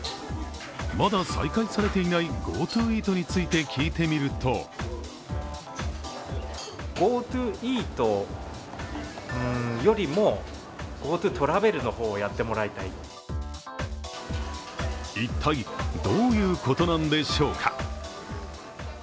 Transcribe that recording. まだ再開されていないＧｏＴｏイートについて聞いてみると一体、どういうことなんでしょうか？